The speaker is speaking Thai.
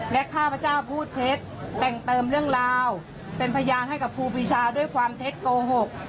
และข้าพเจ้าพูดเท็จแต่งเติมเรื่องราวเป็นพยานให้กับครูปีชาด้วยความเท็จโกหก